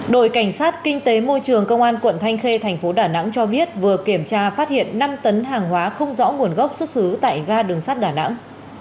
đội cảnh sát kinh tế môi trường công an quận thanh khê thành phố đà nẵng cho biết vừa kiểm tra phát hiện năm tấn hàng hóa không rõ nguồn gốc xuất xứ tại ga đường sắt đà nẵng